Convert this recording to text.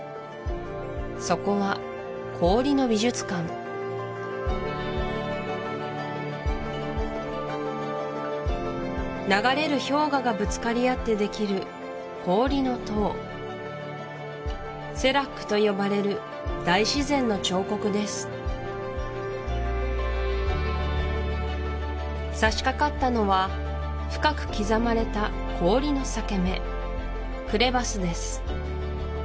そこは氷の美術館流れる氷河がぶつかり合ってできる氷の塔セラックと呼ばれる大自然の彫刻ですさしかかったのは深く刻まれた氷の裂け目クレバスです